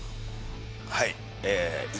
はい。